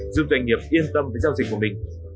giúp doanh nghiệp yên tâm với giao dịch của mình